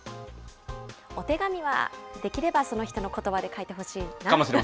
お手紙は、できればその人のことばで書いてほしいな。